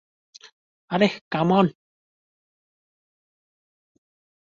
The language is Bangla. আরে কাম অন!